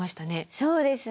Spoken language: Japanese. そうですね。